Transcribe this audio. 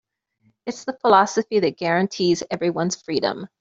It's the philosophy that guarantees everyone's freedom.